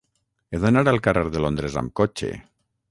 He d'anar al carrer de Londres amb cotxe.